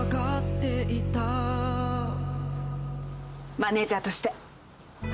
マネジャーとして。